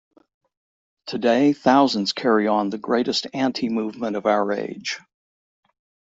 Today, thousands carry on the greatest anti-movement of our age.